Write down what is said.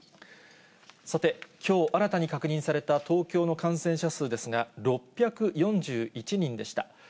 さて、きょう新たに確認された東京の感染者数ですが、６４１人でした。